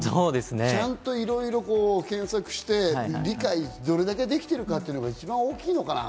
ちゃんといろいろ検索して、理解どれだけできてるかっていうことが一番大きいのかな。